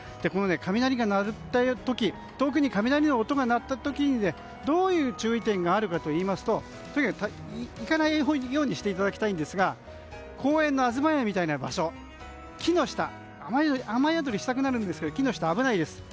雷が鳴っている時遠くで雷の音が鳴った時にどういう注意点があるかといいますと行かないようにしていただきたいんですが公園の東屋みたいな場所雨宿りしたくなるんですが木の下は危ないです。